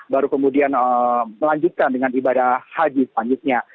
baru kemudian melanjutkan dengan ibadah haji selanjutnya